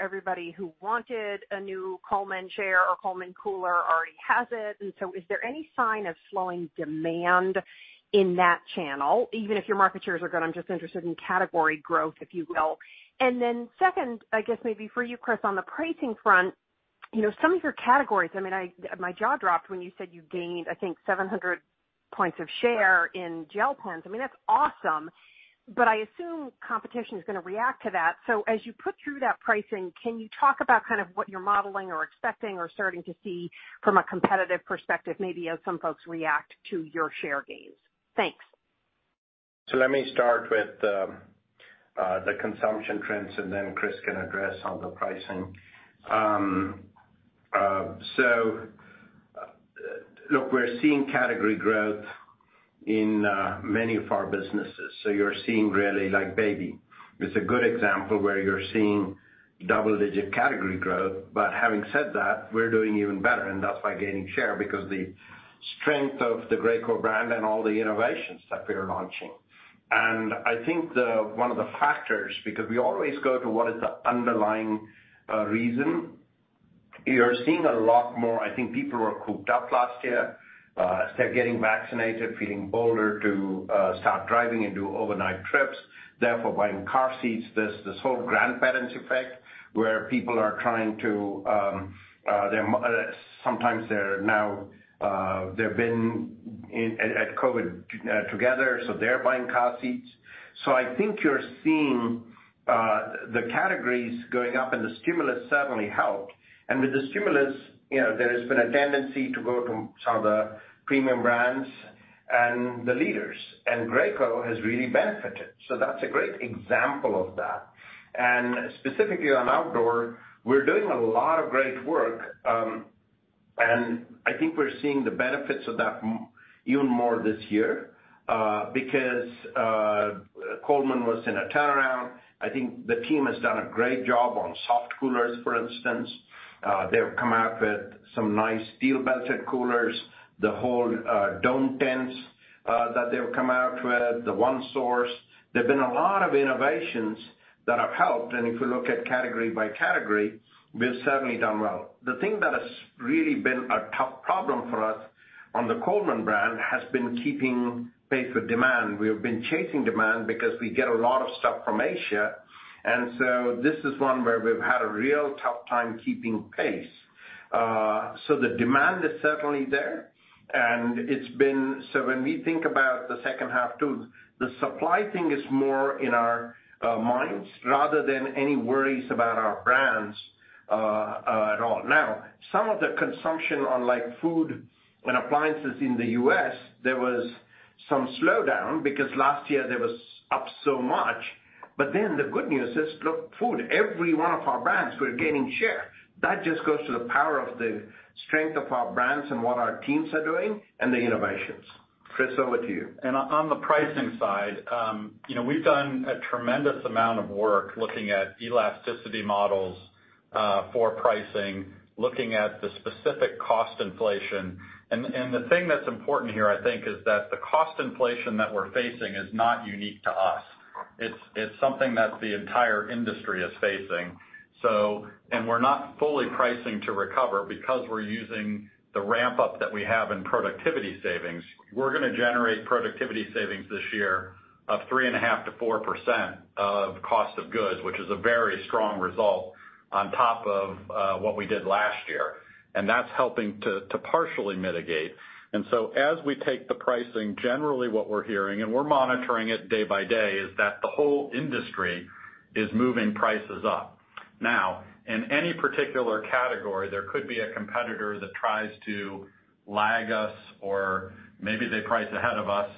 G: everybody who wanted a new Coleman chair or Coleman cooler already has it. Is there any sign of slowing demand in that channel, even if your market shares are good? I'm just interested in category growth, if you will. Second, I guess maybe for you, Chris, on the pricing front, some of your categories, my jaw dropped when you said you gained, I think 700 points of share in gel pens. That's awesome. I assume competition is going to react to that. As you put through that pricing, can you talk about kind of what you're modeling or expecting or starting to see from a competitive perspective, maybe as some folks react to your share gains? Thanks.
C: Let me start with the consumption trends, and then Chris can address on the pricing. Look, we're seeing category growth in many of our businesses. You're seeing really like Baby, it's a good example where you're seeing double-digit category growth. Having said that, we're doing even better, and that's by gaining share, because the strength of the Graco brand and all the innovations that we're launching. I think one of the factors, because we always go to what is the underlying reason, you're seeing a lot more, I think people were cooped up last year. As they're getting vaccinated, feeling bolder to start driving and do overnight trips, therefore buying car seats. There's this whole grandparents effect, where people, sometimes they've been at COVID together, so they're buying car seats. I think you're seeing the categories going up, and the stimulus certainly helped. With the stimulus, there's been a tendency to go to some of the premium brands and the leaders, and Graco has really benefited. That's a great example of that. Specifically on outdoor, we're doing a lot of great work, and I think we're seeing the benefits of that even more this year. Coleman was in a turnaround. I think the team has done a great job on soft coolers, for instance. They've come out with some nice steel-belted coolers. The whole dome tents that they've come out with, the OneSource. There've been a lot of innovations that have helped, and if you look at category by category, we've certainly done well. The thing that has really been a tough problem for us on the Coleman brand has been keeping pace with demand. We've been chasing demand because we get a lot of stuff from Asia. This is one where we've had a real tough time keeping pace. The demand is certainly there, when we think about the second half too, the supply thing is more in our minds, rather than any worries about our brands at all. Some of the consumption on Food and Appliances in the U.S., there was some slowdown, because last year they was up so much. The good news is, look, food, every one of our brands, we're gaining share. That just goes to the power of the strength of our brands and what our teams are doing and the innovations. Chris, over to you.
D: On the pricing side, we've done a tremendous amount of work looking at elasticity models for pricing, looking at the specific cost inflation. The thing that's important here, I think, is that the cost inflation that we're facing is not unique to us. It's something that the entire industry is facing. We're not fully pricing to recover because we're using the ramp-up that we have in productivity savings. We're going to generate productivity savings this year of 3.5%-4% of cost of goods, which is a very strong result on top of what we did last year. That's helping to partially mitigate. As we take the pricing, generally what we're hearing, and we're monitoring it day by day, is that the whole industry is moving prices up. In any particular category, there could be a competitor that tries to lag us, or maybe they price ahead of us.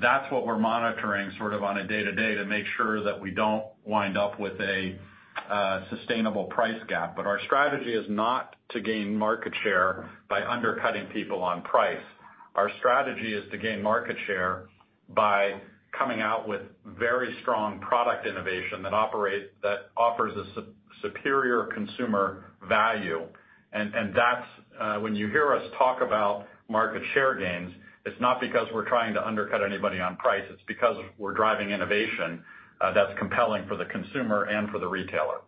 D: That's what we're monitoring sort of on a day-to-day to make sure that we don't wind up with a sustainable price gap. Our strategy is not to gain market share by undercutting people on price. Our strategy is to gain market share by coming out with very strong product innovation that offers a superior consumer value. When you hear us talk about market share gains, it's not because we're trying to undercut anybody on price, it's because we're driving innovation that's compelling for the consumer and for the retailer.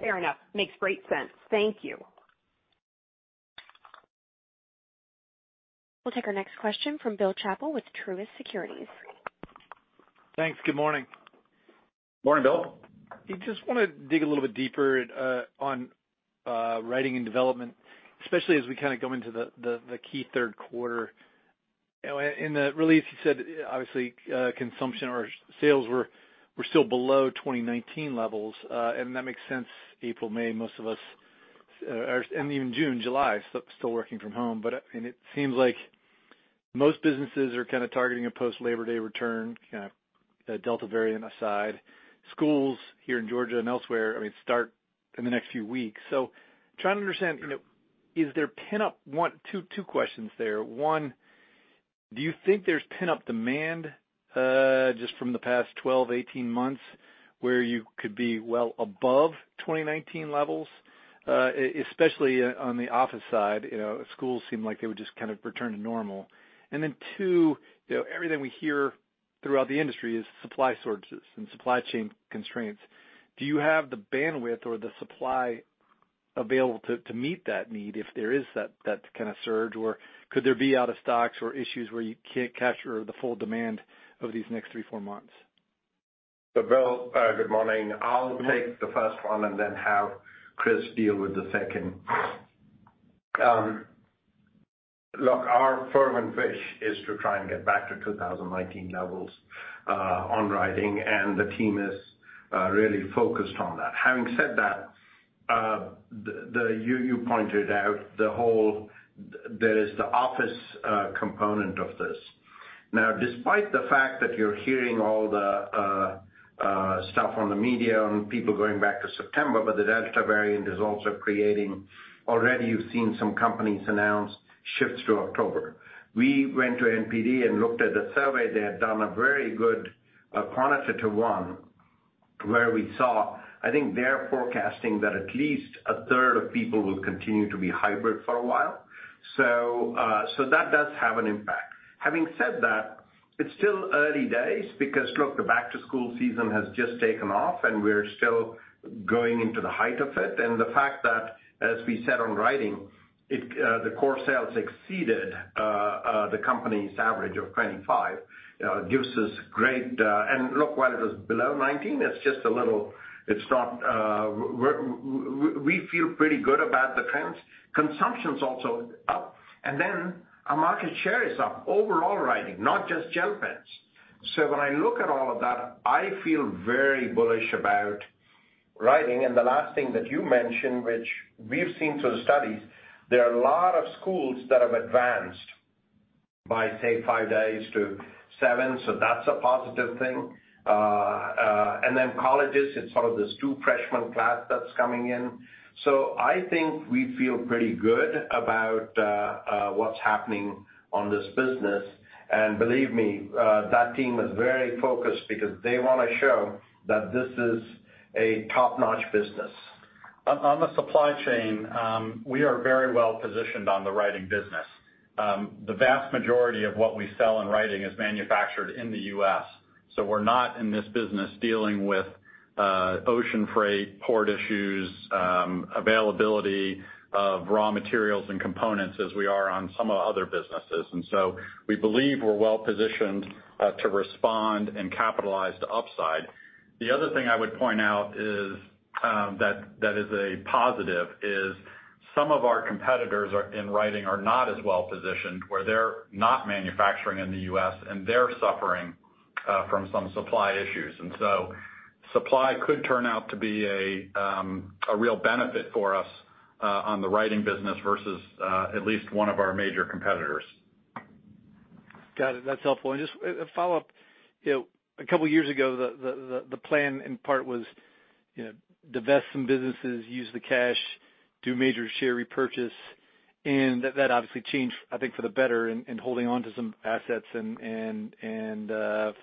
G: Fair enough. Makes great sense. Thank you.
A: We'll take our next question from Bill Chappell with Truist Securities.
H: Thanks. Good morning.
C: Morning, Bill.
H: I just want to dig a little bit deeper on Learning and Development, especially as we kind of go into the key third quarter. In the release, you said obviously consumption or sales were still below 2019 levels. That makes sense. April, May, most of us, and even June, July, still working from home. It seems like most businesses are kind of targeting a post-Labor Day return, kind of Delta variant aside. Schools here in Georgia and elsewhere, start in the next few weeks. Trying to understand, two questions there. One, do you think there's pent-up demand just from the past 12, 18 months, where you could be well above 2019 levels? Especially on the office side, schools seem like they would just kind of return to normal. Two, everything we hear throughout the industry is supply shortages and supply chain constraints. Do you have the bandwidth or the supply available to meet that need if there is that kind of surge, or could there be out of stocks or issues where you can't capture the full demand over these next three to four months?
C: Bill, good morning. I'll take the first one and then have Chris deal with the second. Look, our fervent wish is to try and get back to 2019 levels on Writing, and the team is really focused on that. Having said that, you pointed out there is the office component of this. Despite the fact that you're hearing all the stuff on the media and people going back to September, but the Delta variant is also creating, you've seen some companies announce shifts to October. We went to NPD and looked at the survey. They had done a very good prognostication, where we saw, I think they're forecasting that at least a third of people will continue to be hybrid for a while. That does have an impact. Having said that, it's still early days because, look, the back-to-school season has just taken off, and we're still going into the height of it. The fact that, as we said on Writing, the core sales exceeded the company's average of 25. Look, while it was below 19, we feel pretty good about the trends. Consumption's also up. Our market share is up overall Writing, not just gel pens. When I look at all of that, I feel very bullish about writing. The last thing that you mentioned, which we've seen through the studies, there are a lot of schools that have advanced by, say, five to seven days. That's a positive thing. Colleges, it's sort of this two-freshman class that's coming in. I think we feel pretty good about what's happening on this business. Believe me, that team is very focused because they want to show that this is a top-notch business.
D: On the supply chain, we are very well-positioned on the Writing business. The vast majority of what we sell in Writing is manufactured in the U.S. We're not in this business dealing with ocean freight, port issues, availability of raw materials, and components as we are on some other businesses. We believe we're well-positioned to respond and capitalize the upside. The other thing I would point out that is a positive is some of our competitors in Writing are not as well-positioned, where they're not manufacturing in the U.S., and they're suffering from some supply issues. Supply could turn out to be a real benefit for us on the Writing business versus at least one of our major competitors.
H: Got it. That's helpful. Just a follow-up. A couple of years ago, the plan in part was divest some businesses, use the cash, do major share repurchase. That obviously changed, I think, for the better in holding onto some assets and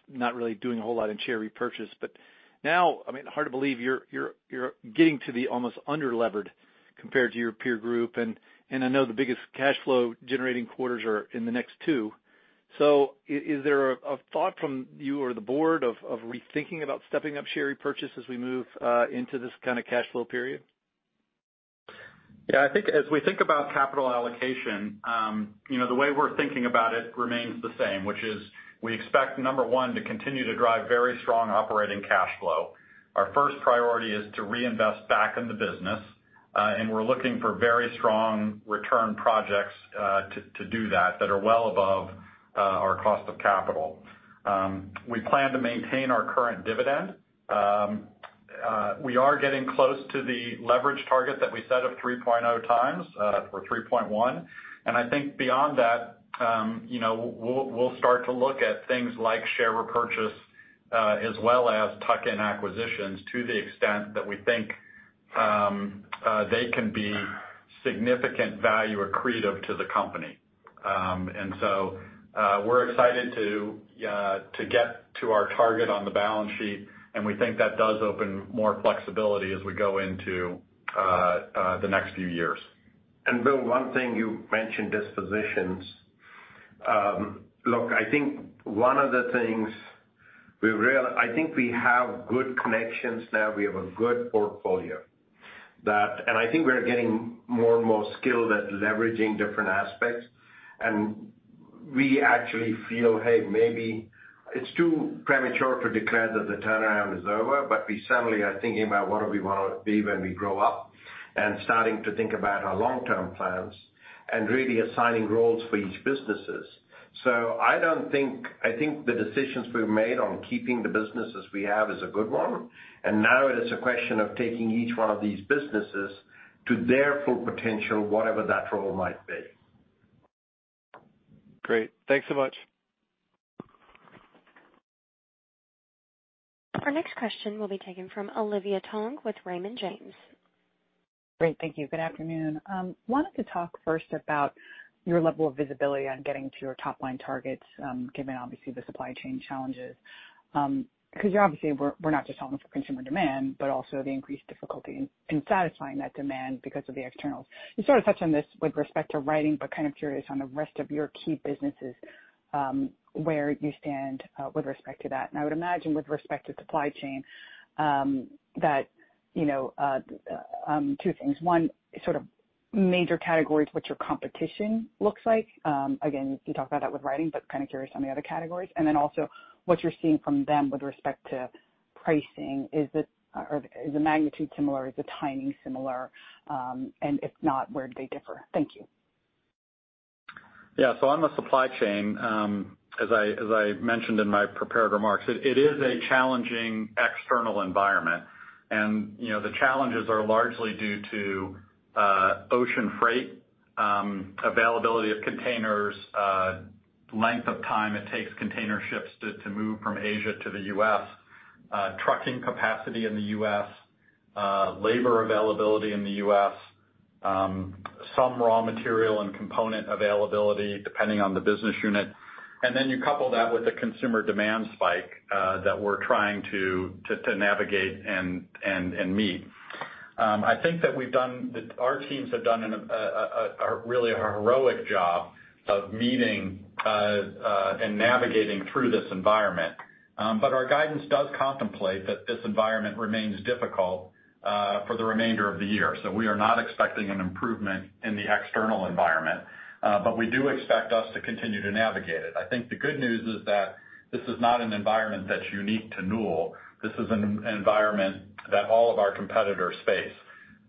H: not really doing a whole lot in share repurchase. Now, hard to believe you're getting to the almost under-levered compared to your peer group. I know the biggest cash flow-generating quarters are in the next two. Is there a thought from you or the board of rethinking about stepping up share repurchase as we move into this kind of cash flow period?
D: Yeah, I think as we think about capital allocation, the way we're thinking about it remains the same, which is we expect, number one, to continue to drive very strong operating cash flow. Our first priority is to reinvest back in the business, and we're looking for very strong return projects to do that are well above our cost of capital. We plan to maintain our current dividend. We are getting close to the leverage target that we set of 3.0x for 3.1x. I think beyond that, we'll start to look at things like share repurchase as well as tuck-in acquisitions to the extent that we think they can be significant value accretive to the company. We're excited to get to our target on the balance sheet, and we think that does open more flexibility as we go into the next few years.
C: Bill, one thing you mentioned, dispositions. Look, I think we have good connections now. We have a good portfolio. I think we're getting more and more skilled at leveraging different aspects. We actually feel, hey, maybe it's too premature to declare that the turnaround is over, but we certainly are thinking about what do we want to be when we grow up and starting to think about our long-term plans and really assigning roles for each businesses. I think the decisions we've made on keeping the businesses we have is a good one. Now it is a question of taking each one of these businesses to their full potential, whatever that role might be.
H: Great. Thanks so much.
A: Our next question will be taken from Olivia Tong with Raymond James.
I: Great. Thank you. Good afternoon. Wanted to talk first about your level of visibility on getting to your top-line targets, given obviously the supply chain challenges. Obviously, we're not just solving for consumer demand, but also the increased difficulty in satisfying that demand because of the externals. You sort of touched on this with respect to Writing, but kind of curious on the rest of your key businesses, where you stand with respect to that. I would imagine with respect to supply chain, two things. One, sort of major categories, what your competition looks like. Again, you talked about that with Writing, but kind of curious on the other categories. Also, what you're seeing from them with respect to pricing. Is the magnitude similar? Is the timing similar? If not, where do they differ? Thank you.
D: Yeah. On the supply chain, as I mentioned in my prepared remarks, it is a challenging external environment. The challenges are largely due to ocean freight, availability of containers, length of time it takes container ships to move from Asia to the U.S., trucking capacity in the U.S., labor availability in the U.S., some raw material and component availability depending on the business unit, and then you couple that with the consumer demand spike that we're trying to navigate and meet. I think that our teams have done really a heroic job of meeting, and navigating through this environment. Our guidance does contemplate that this environment remains difficult for the remainder of the year. We are not expecting an improvement in the external environment. We do expect us to continue to navigate it. I think the good news is that this is not an environment that's unique to Newell. This is an environment that all of our competitors face.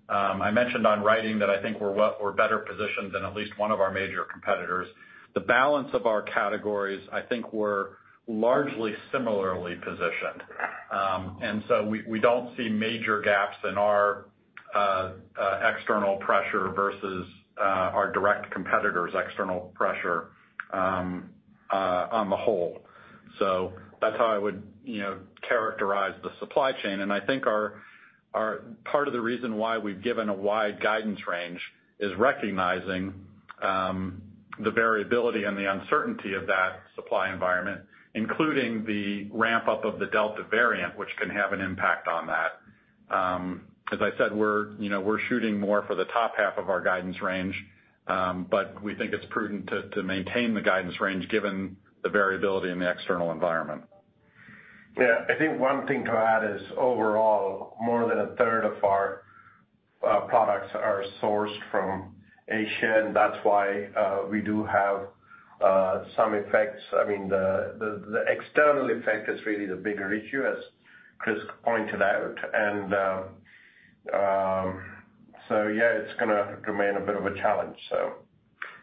D: I mentioned on Writing that I think we're better positioned than at least one of our major competitors. The balance of our categories, I think we're largely similarly positioned. We don't see major gaps in our external pressure versus our direct competitor's external pressure on the whole. That's how I would characterize the supply chain, and I think part of the reason why we've given a wide guidance range is recognizing the variability and the uncertainty of that supply environment, including the ramp-up of the Delta variant, which can have an impact on that. As I said, we're shooting more for the top half of our guidance range, but we think it's prudent to maintain the guidance range given the variability in the external environment.
C: I think one thing to add is overall, more than a third of our products are sourced from Asia, and that's why we do have some effects. The external effect is really the bigger issue, as Chris pointed out. It's going to remain a bit of a challenge.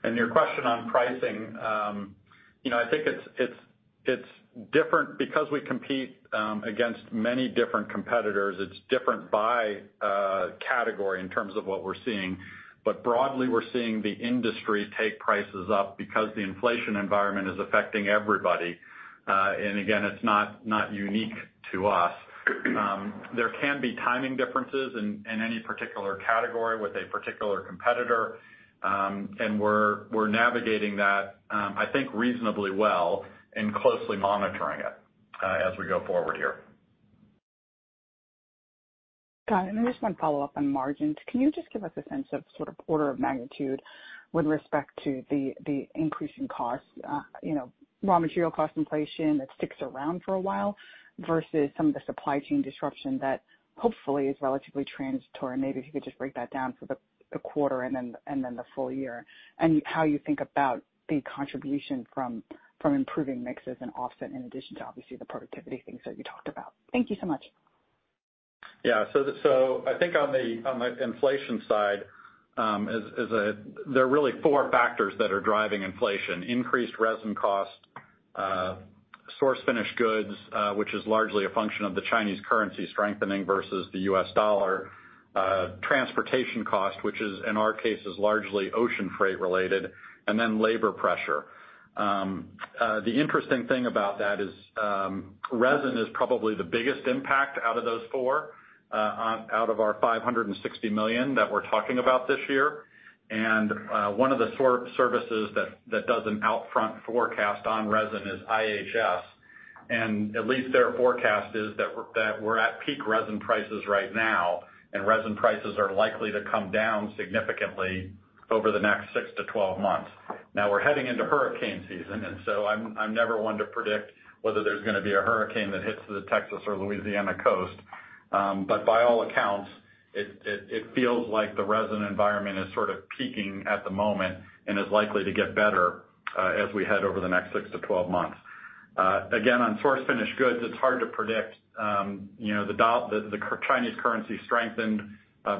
D: Your question on pricing. I think it's different because we compete against many different competitors. It's different by category in terms of what we're seeing. Broadly, we're seeing the industry take prices up because the inflation environment is affecting everybody. Again, it's not unique to us. There can be timing differences in any particular category with a particular competitor. We're navigating that, I think, reasonably well and closely monitoring it as we go forward here.
I: Got it. I just want to follow up on margins. Can you just give us a sense of sort of order of magnitude with respect to the increasing costs? Raw material cost inflation that sticks around for a while versus some of the supply chain disruption that hopefully is relatively transitory. Maybe if you could just break that down for the quarter and then the full year, and how you think about the contribution from improving mixes and offset in addition to obviously the productivity things that you talked about. Thank you so much.
D: Yeah. I think on the inflation side, there are really four factors that are driving inflation. Increased resin cost, source finished goods, which is largely a function of the Chinese currency strengthening versus the U.S. dollar. Transportation cost, which is, in our case, is largely ocean freight related, and then labor pressure. The interesting thing about that is, resin is probably the biggest impact out of those four, out of our $560 million that we're talking about this year. One of the services that does an upfront forecast on resin is IHS, and at least their forecast is that we're at peak resin prices right now, and resin prices are likely to come down significantly over the next 6-12 months. We're heading into hurricane season, and so I'm never one to predict whether there's going to be a hurricane that hits the Texas or Louisiana coast. By all accounts, it feels like the resin environment is sort of peaking at the moment and is likely to get better as we head over the next 6-12 months. Again, on source finished goods, it's hard to predict. The Chinese currency strengthened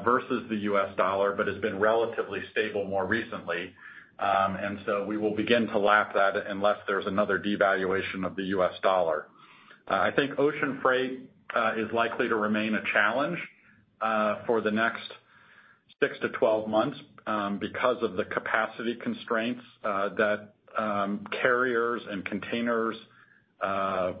D: versus the U.S. dollar, but has been relatively stable more recently. We will begin to lap that unless there's another devaluation of the U.S. dollar. I think ocean freight is likely to remain a challenge for the next 6-12 months because of the capacity constraints that carriers and containers have,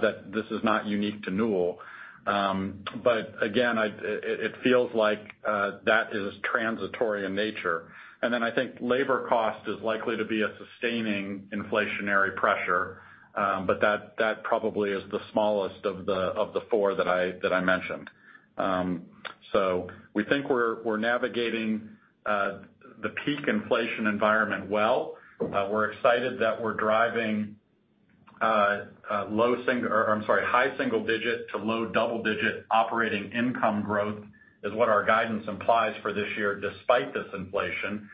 D: that this is not unique to Newell. Again, it feels like that is transitory in nature. Then I think labor cost is likely to be a sustaining inflationary pressure. That probably is the smallest of the four that I mentioned. We think we're navigating the peak inflation environment well. We're excited that we're driving high single-digit to low double-digit operating income growth, is what our guidance implies for this year despite this inflation.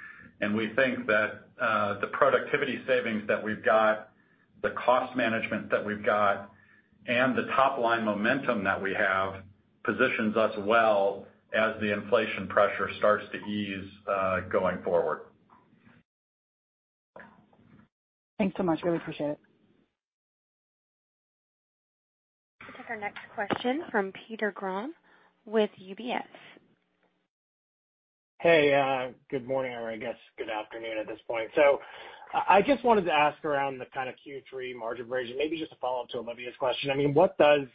D: We think that the productivity savings that we've got, the cost management that we've got, and the top-line momentum that we have positions us well as the inflation pressure starts to ease going forward.
I: Thanks so much. Really appreciate it.
A: Take our next question from Peter Grom with UBS.
J: Hey, good morning, or I guess good afternoon at this point. I just wanted to ask around the kind of Q3 margin bridge, and maybe just a follow-up to Olivia's question. What does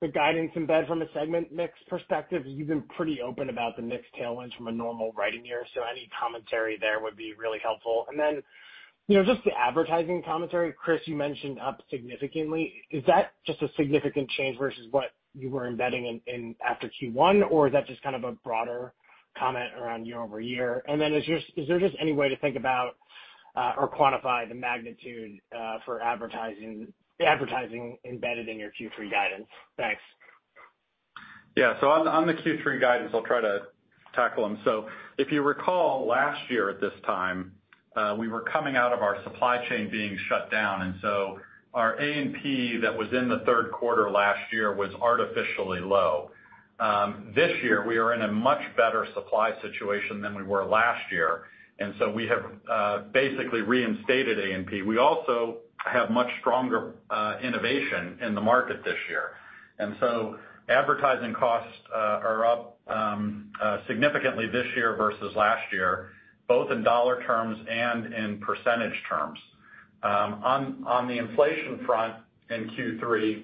J: the guidance embed from a segment mix perspective? You've been pretty open about the mix tailwinds from a normal writing year, any commentary there would be really helpful. Just the advertising commentary. Chris, you mentioned up significantly. Is that just a significant change versus what you were embedding in after Q1, or is that just kind of a broader comment around year-over-year? Is there just any way to think about or quantify the magnitude for advertising embedded in your Q3 guidance? Thanks.
D: Yeah. On the Q3 guidance, I'll try to tackle them. If you recall last year at this time, we were coming out of our supply chain being shut down, and our A&P that was in the third quarter last year was artificially low. This year, we are in a much better supply situation than we were last year, and we have basically reinstated A&P. We also have much stronger innovation in the market this year, and advertising costs are up significantly this year versus last year, both in dollar terms and in percentage terms. On the inflation front in Q3,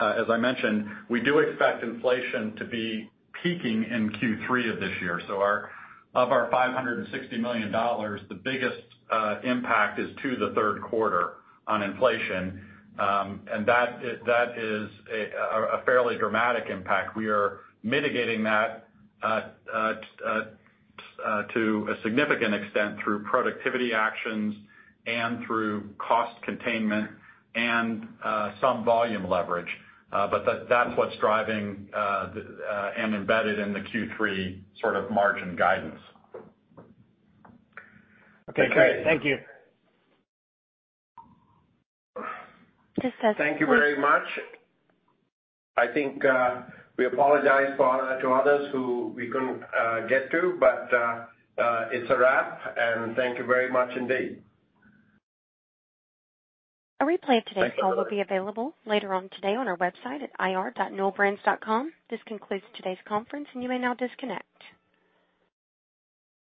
D: as I mentioned, we do expect inflation to be peaking in Q3 of this year. Of our $560 million, the biggest impact is to the third quarter on inflation. That is a fairly dramatic impact. We are mitigating that to a significant extent through productivity actions and through cost containment and some volume leverage. That's what's driving and embedded in the Q3 sort of margin guidance.
J: Okay, great. Thank you.
A: Just a-
C: Thank you very much. I think we apologize to others who we couldn't get to, but it's a wrap, and thank you very much indeed.
A: A replay of today's call will be available later on today on our website at ir.newellbrands.com. This concludes today's conference, and you may now disconnect.